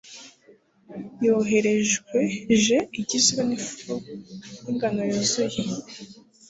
yoroheje igizwe nifu yingano yuzuye